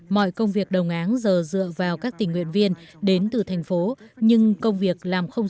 mọi công việc đồng áng giờ dựa vào các tình nguyện viên đến từ thành phố nhưng công việc làm không